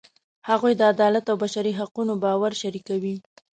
هغوی د عدالت او بشري حقونو باور شریکوي.